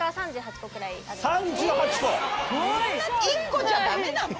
１個じゃダメなの？